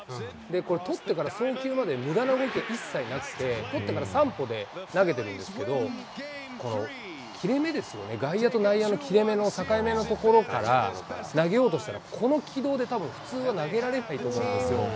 これ、捕ってから送球までむだな動きが一切なくて、捕ってから３歩で投げてるんですけど、この切れ目ですよね、外野と内野の切れ目の境目のところから、投げようとしたら、この軌道でたぶん、普通は投げられないと思うんですよ。